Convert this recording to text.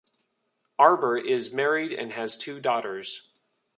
Arber is married and has two daughters.